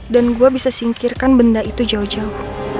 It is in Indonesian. dan gue bisa singkirkan benda itu jauh jauh